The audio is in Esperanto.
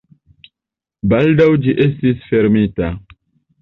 Baldaŭ ĝi estis fermita.